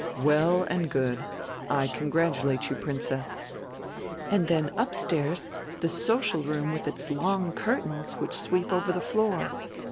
"Well and good! I congratulate you, Princess." "And dren upstairs dre social roonr widr its long curtains, which sweep over dre floor."